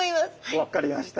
分かりました。